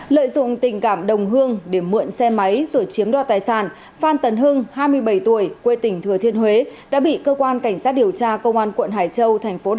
lợi dụng tình cảm đồng hương để mượn xe máy rồi chiếm đo tài sản phan tần hưng hai mươi bảy tuổi quê tỉnh thừa thiên huế đã bị cơ quan cảnh sát điều tra công an quận hải châu